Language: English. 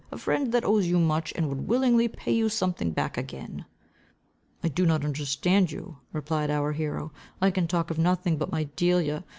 "A friend that owes you much, and would willingly pay you something back again." "I do not understand you," replied our hero. "I can talk of nothing but my Delia.